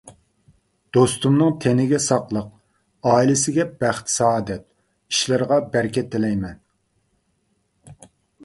دوستۇمنىڭ تېنىگە ساقلىق، ئائىلىسىگە بەخت-سائادەت، ئىشلىرىغا بەرىكەت تىلەيمەن.